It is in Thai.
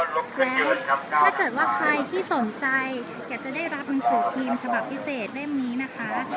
ครบแล้วถ้าเกิดว่าใครที่สนใจอยากจะได้รับหนังสือพิมพ์ฉบับพิเศษเล่มนี้นะคะ